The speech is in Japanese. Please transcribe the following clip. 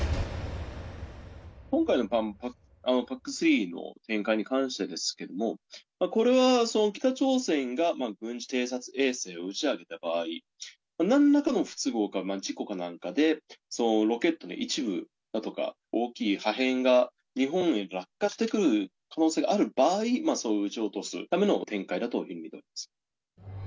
今回のＰＡＣ３の展開に関してですけれども、これは北朝鮮が軍事偵察衛星を打ち上げた場合、なんらかの不都合か事故かなんかで、ロケットの一部だとか、大きい破片が日本へ落下してくる可能性がある場合、それを撃ち落とすための展開だと見ています。